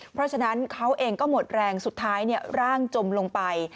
เพราะฉะนั้นเขาเองก็หมดแรงสุดท้ายร่างจมลงไป